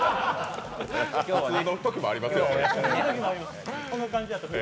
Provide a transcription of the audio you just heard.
普通のときもやりますよね。